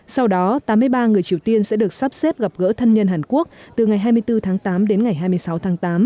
sau đó tám mươi ba người triều tiên sẽ được sắp xếp gặp gỡ thân nhân hàn quốc từ ngày hai mươi bốn tháng tám đến ngày hai mươi sáu tháng tám